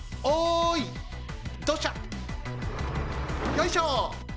よいしょ！